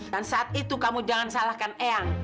dan saat itu kamu jangan salahkan eang